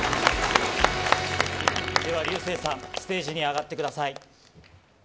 では竜青さん、ステージに上がってください。